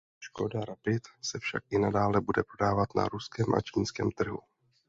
Škoda Rapid se však i nadále bude prodávat na Ruském a Čínském trhu.